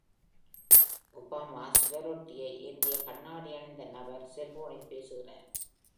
Obama சுவரொட்டியை ஏந்திய கண்ணாடி அணிந்த நபர் செல்போனில் பேசுகிறார்.